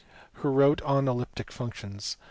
462), who wrote on elliptic functions.